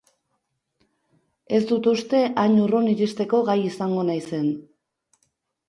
Ez dut uste hain urrun iristeko gai izango naizen.